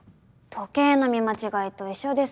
時計の見間違いと一緒です。